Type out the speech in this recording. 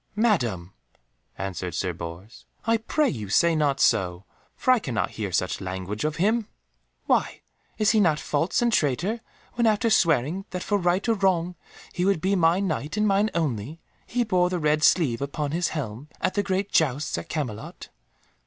"Madam," answered Sir Bors, "I pray you say not so, for I cannot hear such language of him." "Why, is he not false and a traitor when, after swearing that for right or wrong he would be my Knight and mine only, he bore the red sleeve upon his helm at the great jousts at Camelot?"